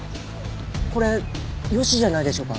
これヨシじゃないでしょうか？